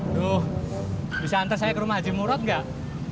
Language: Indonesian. aduh bisa antar saya ke rumah haji murot nggak